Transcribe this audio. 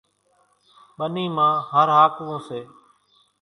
ٻنِي مان هر هاڪوون سي۔